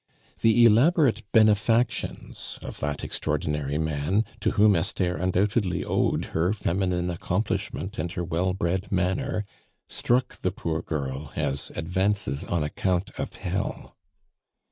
The elaborate benefactions of that extraordinary man, to whom Esther undoubtedly owed her feminine accomplishment and her well bred manner, struck the poor girl as advances on account of hell.